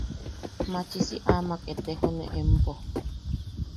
Machisi amak etejone empo.